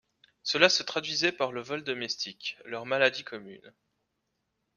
Cela se traduisait par le vol domestique, leur maladie commune.